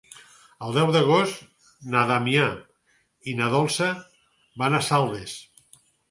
El deu d'agost na Damià i na Dolça van a Saldes.